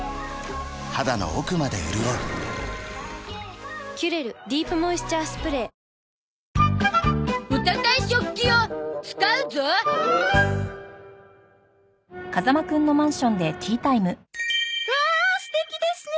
肌の奥まで潤う「キュレルディープモイスチャースプレー」わあ素敵ですね！